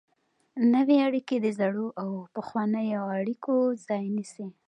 نوې اړیکې د زړو او پخوانیو اړیکو ځای نیسي.